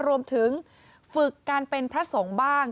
รวมถึงฝึกการเป็นพระสงฆ์บ้าง